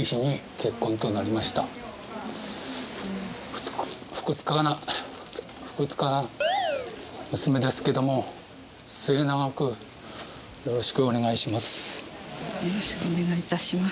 ふくつかなふくつかな娘ですけども末永くよろしくお願いします。